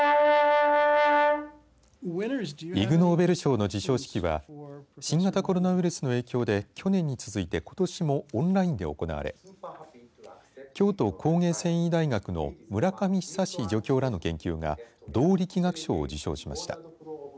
イグ・ノーベル賞の授賞式は新型コロナウイルスの影響で去年に続いてことしもオンラインで行われ京都工芸繊維大学の村上久助教らの研究が動力学賞を受賞しました。